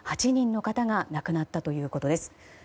８人の方が亡くなったということです。